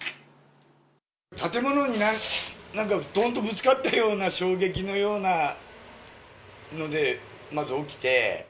建物になんか、どんっとぶつかったような衝撃のようなのでまず起きて。